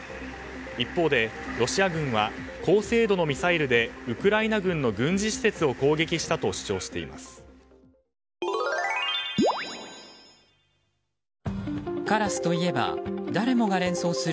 一方で、ロシア軍は高精度のミサイルでウクライナ軍の軍事施設を攻撃したと主張しています。